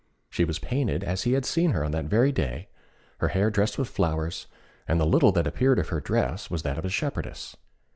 She was painted as he had seen her that very day her hair dressed with flowers, and the little that appeared of her dress was that of a shepherdess.